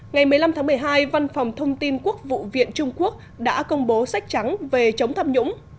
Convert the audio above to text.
ngày một mươi năm tháng một mươi hai văn phòng thông tin quốc vụ viện trung quốc đã công bố sách trắng về chống tham nhũng